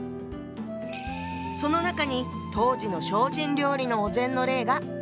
その中に当時の精進料理のお膳の例が描かれているわ。